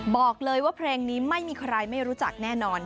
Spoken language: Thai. บอกเลยว่าเพลงนี้ไม่มีใครไม่รู้จักแน่นอน